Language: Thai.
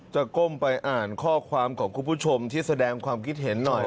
ก้มไปอ่านข้อความของคุณผู้ชมที่แสดงความคิดเห็นหน่อย